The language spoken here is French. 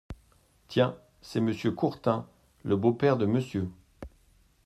Tiens ! c’est Monsieur Courtin, le beau-père de Monsieur !